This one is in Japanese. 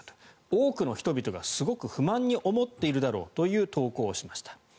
多くの人々がすごく不満に思っているだろうという投稿をしました。